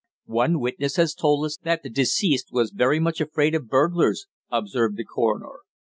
"One witness has told us that the deceased was very much afraid of burglars," observed the coroner.